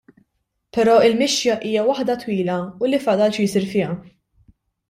Però l-mixja hi waħda twila u li fadal xi jsir fiha.